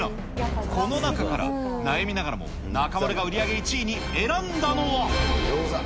この中から悩みながらも、中丸が売り上げ１位に選んだのは。